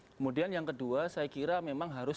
kemudian yang kedua saya kira memang harus